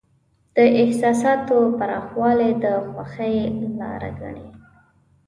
د احساساتو پراخوالی د خوښۍ لاره ګڼي.